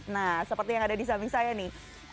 nah seperti yang ada di samping saya nih